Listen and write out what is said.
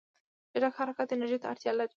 چټک حرکت انرژي ته اړتیا لري.